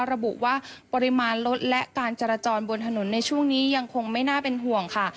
ระบุว่าปริมาณรถและการจราจรบนถนนในช่วงนี้ยังคงไม่น่าเป็นห่วงค่ะ